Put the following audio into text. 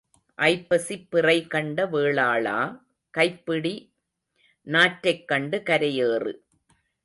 ஐப்பசிப் பிறை கண்ட வேளாளா, கைப்பிடி நாற்றைக் கண்டு கரையேறு.